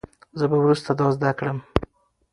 زه به وروسته دا زده کړم.